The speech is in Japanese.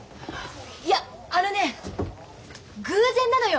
いやあのね偶然なのよ。